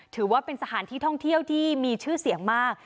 ถือว่าเป็นสถานที่ท่องเที่ยวที่มีชื่อเสียงมาก